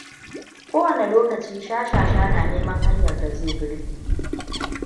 Kowane lokaci shashasha na neman hanyar da zai burge.